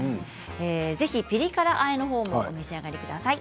ぜひピリ辛あえもお召し上がりください。